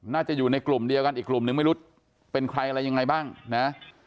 น่าจะอยู่ในกลุ่มเดียวกันอีกกลุ่มนึงไม่รู้เป็นใครอะไรยังไงบ้างนะ